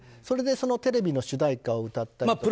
それでテレビの主題歌を歌ったり。